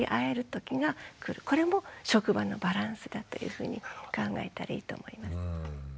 これも職場のバランスだというふうに考えたらいいと思います。